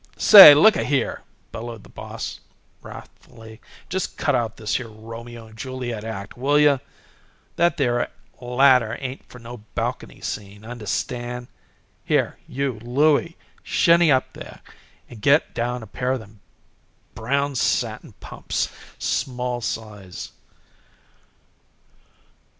"Say looka here!" bellowed the boss, wrathfully. "Just cut out this here Romeo and Juliet act, will you! That there ladder ain't for no balcony scene, understand. Here you, Louie, you shinny up there and get down a pair of them brown satin pumps, small size."